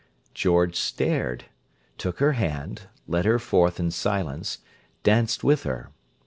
George stared, took her hand, led her forth in silence, danced with her.